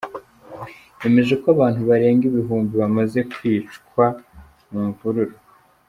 Zemeje ko abantu barenga igihumbi bamaze kwicwa mu mvururu.